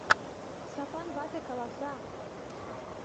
— Сапан вате каласа.